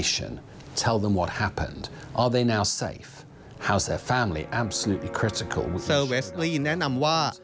เซอร์เวสลี่แนะนำว่า